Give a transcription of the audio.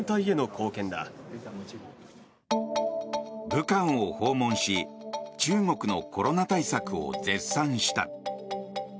武漢を訪問し中国のコロナ対策を絶賛した。